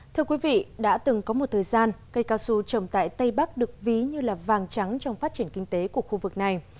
thưa quý vị đã từng có một thời gian cây cao su trồng tại tây bắc được ví như là vàng trắng trong phát triển kinh tế của khu vực này